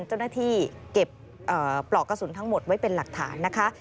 เจ้าหน้าที่เก็บปลอกกระสุนทั้งหมดไว้เป็นหลักฐานนะคะ